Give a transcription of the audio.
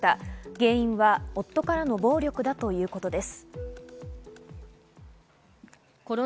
原因は夫からの暴力だということです。